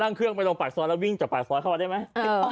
นั่งเครื่องไปลองปล่อยซ้อนและวิ่งหักไปซ้อนเข้ามาได้ไหม